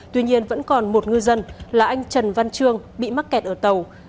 tuy nhiên vẫn còn một ngư dân là anh trần văn trương bị mắc kẹt ở tàu